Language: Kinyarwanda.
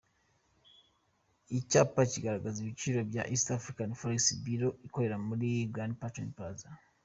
Icyapa kigaragaza ibiciro bya East African forex bureau ikorera muri Grand pension plazza.